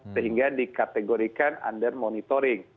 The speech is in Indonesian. sehingga dikategorikan under monitoring